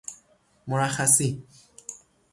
مرخصی